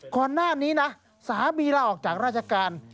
ก่อนหน้านี้นะสามีลาออกจากราชการ